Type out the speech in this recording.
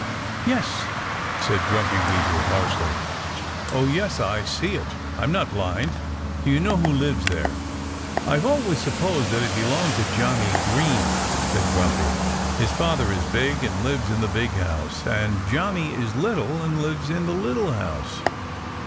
"Yes!" said Grumpy Weasel harshly. "Of course I see it. I'm not blind." "Do you know who lives there?" "I always supposed that it belonged to Johnnie Green," said Grumpy. "His father is big and lives in the big house, and Johnnie is little and lives in the little house."